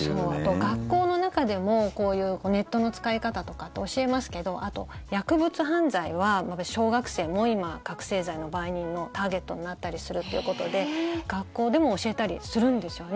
学校の中でもこういうネットの使い方とかって教えますけどあと、薬物犯罪は小学生も今覚醒剤の売人のターゲットになったりするということで学校でも教えたりするんですよね。